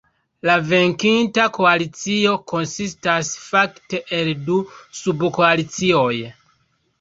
La venkinta koalicio konsistas fakte el du subkoalicioj.